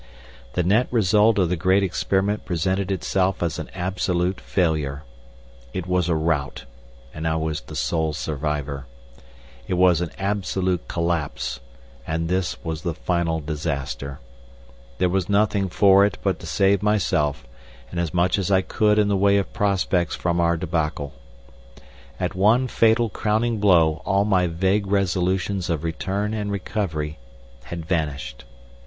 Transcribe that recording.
The net result of the great experiment presented itself as an absolute failure. It was a rout, and I was the sole survivor. It was an absolute collapse, and this was the final disaster. There was nothing for it but to save myself, and as much as I could in the way of prospects from our débâcle. At one fatal crowning blow all my vague resolutions of return and recovery had vanished.